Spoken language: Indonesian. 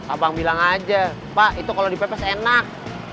abang bilang aja pak itu kalau dipepes enak